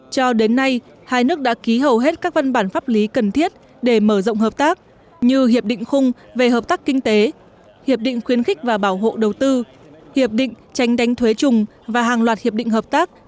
cho đến nay hai nước đã ký hầu hết các văn bản pháp lý cần thiết để mở rộng hợp tác như hiệp định khung về hợp tác kinh tế hiệp định khuyến khích và bảo hộ đầu tư hiệp định tránh đánh thuế trùng và hàng loạt hiệp định hợp tác